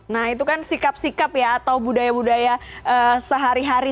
nah itu kan sikap sikap ya atau budaya budaya sehari hari